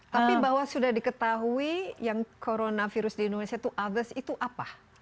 tapi bahwa sudah diketahui yang coronavirus di indonesia itu others itu apa